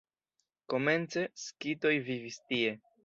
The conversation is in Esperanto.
Komence skitoj vivis tie.